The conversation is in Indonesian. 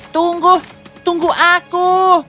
tunggu tunggu aku